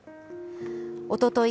おととい